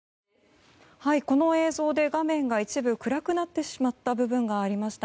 この映像で画面が一部暗くなってしまった部分がありました。